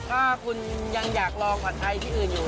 ถ้าคุณยังอยากลองผัดไทยที่อื่นอยู่